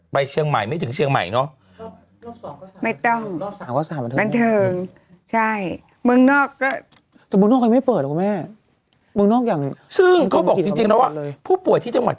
เชียงใหม่ไม่ถึงเชียงใหม่เนอะ